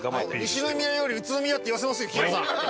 西宮より宇都宮って言わせますよ紀平さん。